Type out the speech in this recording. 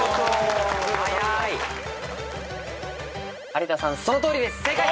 有田さんそのとおりです正解！